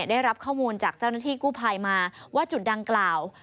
ได้รับข้อมูลจากเจ้าหน้าที่กู้ภัยมาว่าจุดดังกล่าว